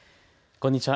こんにちは。